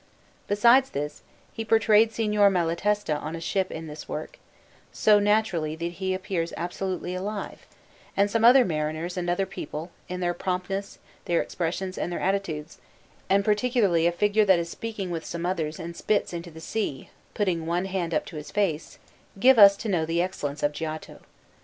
Besides this, he portrayed Signor Malatesta on a ship in this work, so naturally that he appears absolutely alive; and some mariners and other people, in their promptness, their expressions, and their attitudes and particularly a figure that is speaking with some others and spits into the sea, putting one hand up to his face give us to know the excellence of Giotto.